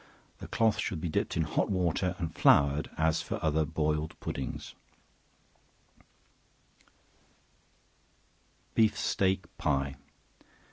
The cloth should be dipped in hot water, and floured, as for other boiled puddings. Beef Steak Pie.